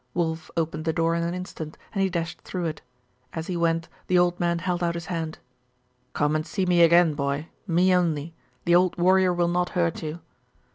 Wulf opened the door in an instant, and he dashed through it. As he wen, the old man held out his hand 'Come and see me again, boy! Me only. The old warrior will not hurt you!